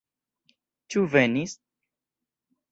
Ĉu venis?